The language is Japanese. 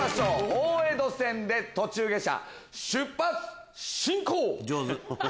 大江戸線で途中下車出発進行！